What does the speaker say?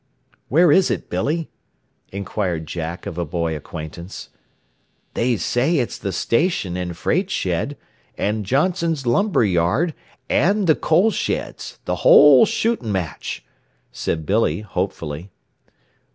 "Where is it, Billy?" inquired Jack of a boy acquaintance. "They say it's the station and freight shed, and Johnson's lumber yard, and the coal sheds the whole shooting match," said Billy, hopefully.